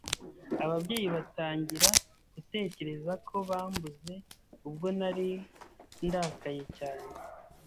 ababyeyi batangira gutekerezako bambuze ubwo nari ndakaye cyane